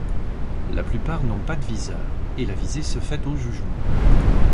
La plupart n’ont pas de viseur et la visée se fait au jugement.